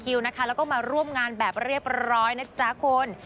นะคะแล้วก็มาร่วมงานแบบเรียบร้อยนะจ๊ะคุณ